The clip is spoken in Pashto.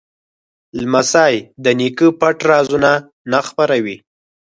لمسی د نیکه پټ رازونه نه خپروي.